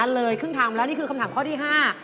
เลยครึ่งทางแล้วนี่คือคำถามข้อที่๕